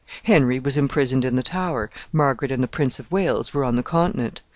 Henry was imprisoned in the Tower; Margaret and the Prince of Wales were on the Continent.